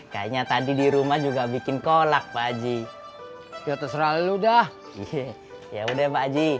kayaknya tadi di rumah juga bikin kolak baji ya terserah lu udah iya udah baji